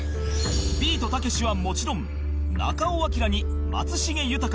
ビートたけしはもちろん中尾彬に松重豊